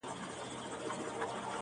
لکه د بلې دنیا دروازه